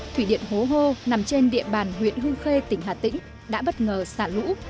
thủy điện hố hô nằm trên địa bàn huyện hương khê tỉnh hà tĩnh đã bất ngờ xả lũ